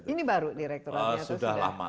ini baru direkturatnya